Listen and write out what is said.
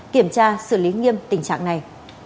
kiểm tra xử lý nghiêm tình trạng này